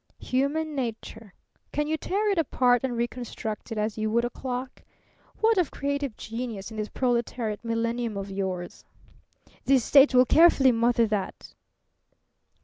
"Human nature. Can you tear it apart and reconstruct it, as you would a clock? What of creative genius in this proletariat millennium of yours?" "The state will carefully mother that."